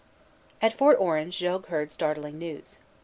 At Fort Orange Jogues heard startling news.